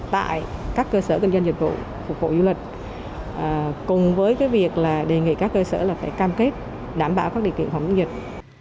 tại các cơ sở kinh doanh dịch vụ phục vụ du lịch cùng với việc đề nghị các cơ sở cam kết đảm bảo các định kiện phòng dịch